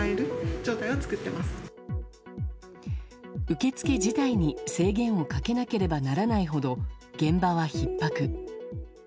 受け付け自体に制限をかけなければならないほど現場は、ひっ迫。